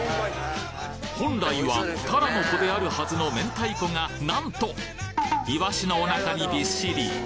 本来はタラの子であるはずの明太子がなんといわしのお腹にビッシリ！